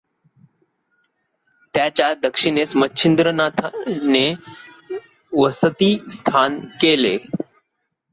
त्याच्या दक्षिणेस मच्छिंद्रनाथानें वसति स्थान केलें.